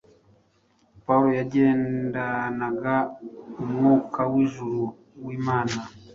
Pawulo yagendanaga umwuka w’ijuru wimana